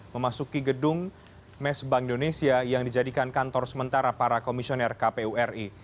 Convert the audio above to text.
memasuki gedung mes bank indonesia yang dijadikan kantor sementara para komisioner kpu ri